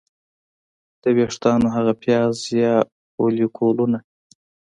د ویښتانو هغه پیاز یا فولیکولونه